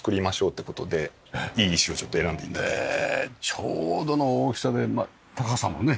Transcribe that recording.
ちょうどの大きさで高さもね。